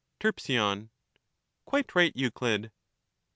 Terp, Quite right, Euclid.